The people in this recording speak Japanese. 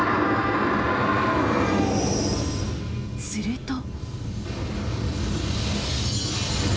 すると。